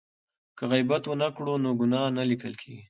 که غیبت ونه کړو نو ګناه نه لیکل کیږي.